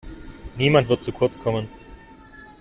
Niemand wird zu kurz kommen.